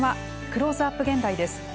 「クローズアップ現代」です。